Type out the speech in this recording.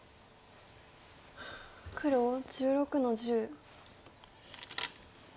黒１６の十。